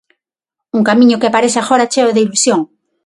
Un camiño que aparece agora cheo de ilusión.